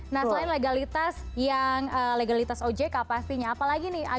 nah selain legalitas yang legalitas ojk pastinya apalagi nih agar masyarakat juga tidak terlalu